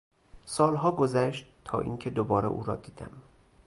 سالها گذشت تا اینکه دوباره او را دیدم.